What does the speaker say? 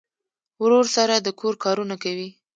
ورور سره د کور کارونه کوي.